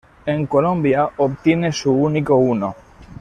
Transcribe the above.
En Colombia obtiene su único uno.